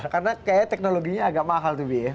karena kayaknya teknologinya agak mahal tuh bi ya